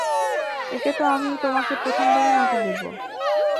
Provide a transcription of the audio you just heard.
একে তো আমি তোমাকে প্রথমবারের মতোই দেখবো।